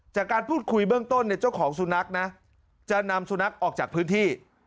จากการพูดคุยเบื้องต้นเนี่ยเจ้าของสุนัขนะจะนำสุนัขออกจากพื้นที่